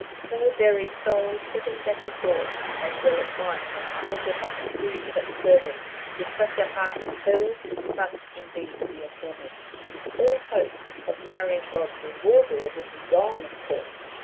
Her very soul sickened at the thought as well it might; for to have to do such service with such a heart as hers, must indeed be torment. All hope of marrying Godfrey Wardour would be gone, of course.